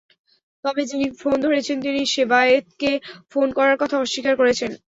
তবে যিনি ফোন ধরেছেন, তিনি সেবায়েতকে ফোন করার কথা অস্বীকার করেছেন।